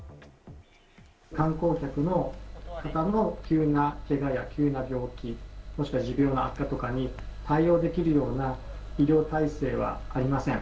観光客の方の急なけがや急な病気、そして持病の悪化とかに対応できるような医療体制はありません。